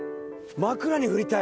枕に振りたい！